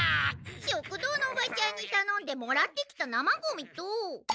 食堂のおばちゃんにたのんでもらってきた生ゴミと。